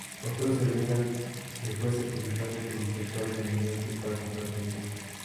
Otros alegan que fue sacrificado por los sectores dominantes para "comprar tiempo".